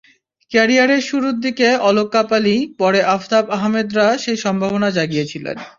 ক্যারিয়ারের শুরুর দিকে অলক কাপালি, পরে আফতাব আহমেদরা সেই সম্ভাবনা জাগিয়েছিলেন।